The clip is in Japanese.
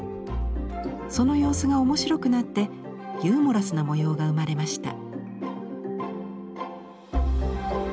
その様子が面白くなってユーモラスな模様が生まれました。